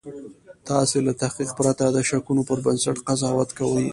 تاسې له تحقیق پرته د شکونو پر بنسټ قضاوت کوئ